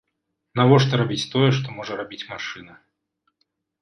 Навошта рабіць тое, што можа рабіць машына?